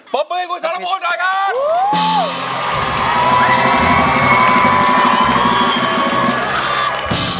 บมือให้คุณสารพูดหน่อยครับ